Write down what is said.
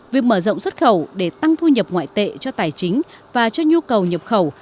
việc mở rộng xuất khẩu để tăng thu nhập ngoại tệ cho tài chính và cho nhu cầu nhập khẩu